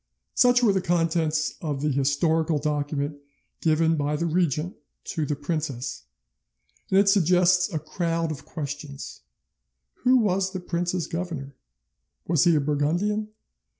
'" Such were the contents of the historical document given by the regent to the princess, and it suggests a crowd of questions. Who was the prince's governor? Was he a Burgundian?